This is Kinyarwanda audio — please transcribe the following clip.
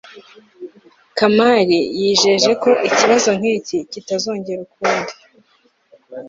kamali yijeje ko ikibazo nk'iki kitazongera ukundi